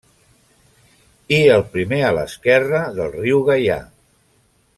I el primer a l'esquerra del riu Gaià.